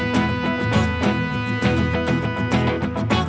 sama sekali beda